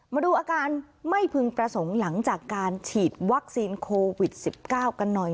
มาดูอาการไม่พึงประสงค์หลังจากการฉีดวัคซีนโควิด๑๙กันหน่อย